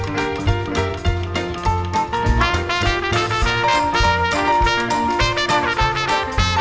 โปรดติดตามต่อไป